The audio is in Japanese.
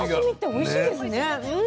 おいしいですよね。